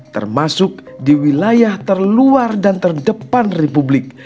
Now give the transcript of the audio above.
termasuk di wilayah terluar dan terdepan republik